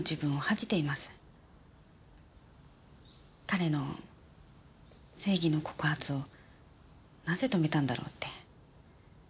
彼の正義の告発をなぜ止めたんだろうって。